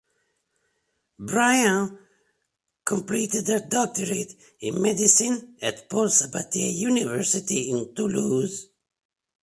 Briand completed her doctorate in medicine at Paul Sabatier University in Toulouse.